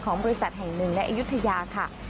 ของบริษัทแห่งมึงและอยุธยาค่ะ